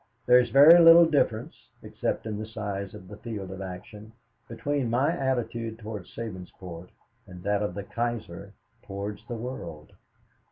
There is very little difference, except in the size of the field of action, between my attitude toward Sabinsport and that of the Kaiser towards the world.